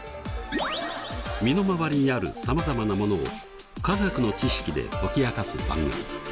身の回りにあるさまざまなものを化学の知識で解き明かす番組。